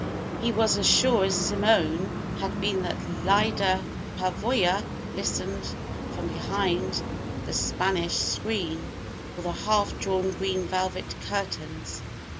He was as sure as Simone had been that Lyda Pavoya listened from behind the Spanish screen, or the half drawn green velvet curtains.